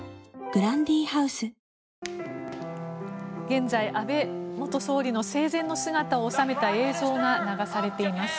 現在安倍元総理の生前の姿を収めた映像が流されています。